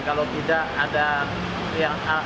kalau tidak ada yang